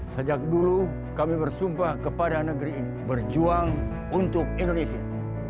sejak dulu kami bersumpah kepada negeri ini berjuang untuk indonesia